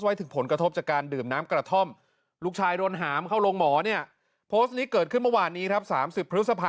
ไว้ถึงผลกระทบจากการดื่มน้ำกระท่อมลูกชายด่วนห่ามเข้าลงหมอนี่โต๊ะนี้เกิดขึ้นเมื่อวานนี้ครับ๓๐พศ